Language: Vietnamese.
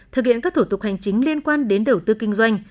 thực hiện các thủ tục hành chính liên quan đến đầu tư kinh doanh